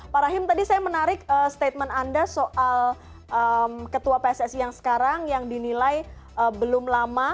pak rahim tadi saya menarik statement anda soal ketua pssi yang sekarang yang dinilai belum lama